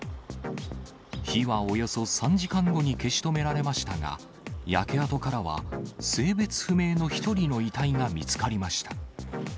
火はおよそ３時間後に消し止められましたが、焼け跡からは、性別不明の１人の遺体が見つかりました。